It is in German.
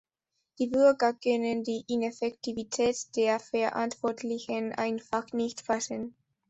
Die Bürger können die Ineffektivität der Verantwortlichen einfach nicht fassen.